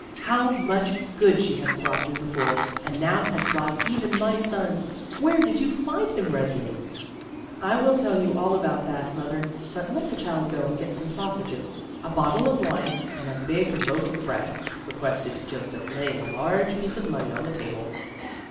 "How much good she has brought me before, and now has brought even my son! Where did you find him, Resli?" "I will tell you all about that. Mother, but let the child go and get some sausages, a bottle of 56 THE ROSE CHILD wine, and a big loaf of bread," requested Joseph, laying a large piece of money on the table.